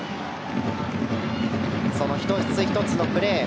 その１つ１つのプレー